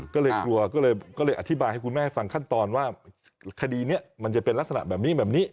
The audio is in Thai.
ก็เลยกลัวก็เลยอธิบายให้คุณแม่ฟังขั้นตอนว่าคดีนี้มันจะเป็นลักษณะแบบนี้แบบนี้